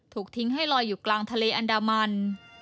ถูกทิ้งให้ลอยอยู่กลางทะเลอันดามัน